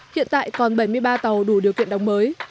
hiện tại còn bảy mươi ba tàu đủ điều kiện đóng mới